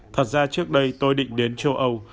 thật ra trước đây tôi định đến châu âu